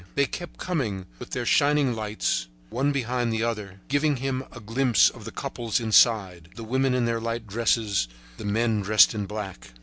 They kept coming with their shining lights, one behind the other, giving him a glimpse of the couples inside, the women in their light dresses and the men dressed in black.